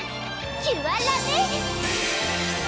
キュアラメール！